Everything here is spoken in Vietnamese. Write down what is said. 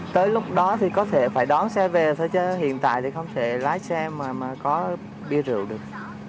tới lúc đó thì có thể phải đón xe về thôi chứ hiện tại thì không thể lái xe mà có bia rượu được